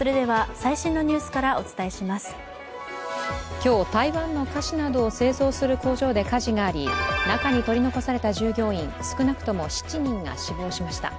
今日台湾の菓子などを製造する工場で火事があり中に取り残された従業員少なくとも７人が死亡しました。